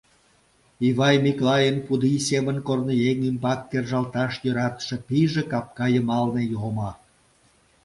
Ивай Миклайын пудий семын корныеҥ ӱмбак кержалташ йӧратыше пийже капка йымалне йомо.